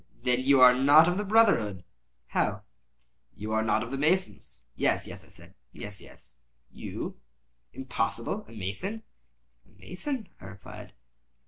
"Then you are not of the brotherhood." "How?" "You are not of the masons." "Yes, yes," I said, "yes, yes." "You? Impossible! A mason?" "A mason," I replied.